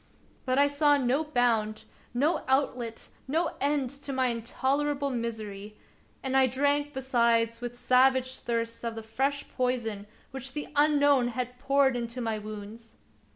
But I saw no bound, no outlet, no end to my intolerable misery; and I drank besides with savage thirst of the fresh poison which the Unknown had poured into my wounds.